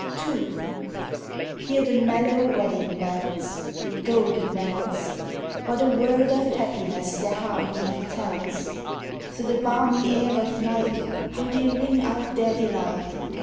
II. Hear the mellow wedding bells, Golden bells! What a world of happiness their harmony foretells! Through the balmy air of night How they ring out their delight!